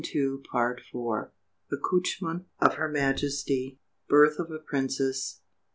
ACCOUCHEMENT OF HER MAJESTY. BIRTH OF A PRINCESS.